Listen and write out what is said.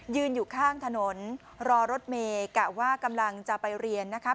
ยืนอยู่ข้างถนนรอรถเมยกะว่ากำลังจะไปเรียนนะครับ